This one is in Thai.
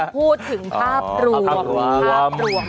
พูดถึงภาพรวม